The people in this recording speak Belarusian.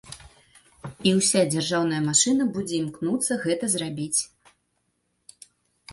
І ўся дзяржаўная машына будзе імкнуцца гэта зрабіць.